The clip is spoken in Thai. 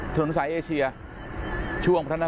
ตอนนี้ก็เปลี่ยนแบบนี้แหละ